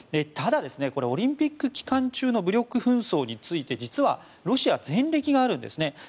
ただ、オリンピック期間中の武力紛争について実はロシアは前歴があるんですね。